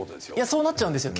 そうなっちゃうんですよ